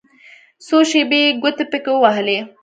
څو شېبې يې ګوتې پکښې ووهلې.